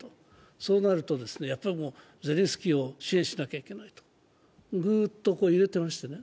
そうなるとゼレンスキーを支援しなきゃいけないとグーッと揺れてましてね。